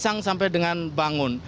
lelang sampai dengan bangun